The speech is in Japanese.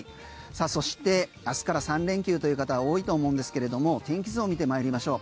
そして明日から３連休という方多いと思うんですが天気図を見てまいりましょう。